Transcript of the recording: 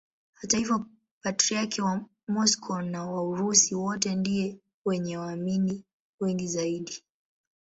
Hata hivyo Patriarki wa Moscow na wa Urusi wote ndiye mwenye waamini wengi zaidi.